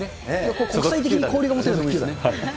国際的に交流が持てるのもいいですね。